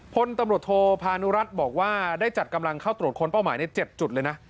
พลตำรวจโทพานุรัติบอกว่าได้จัดกำลังเข้าตรวจค้นเป้าหมายใน๗จุดเลยนะ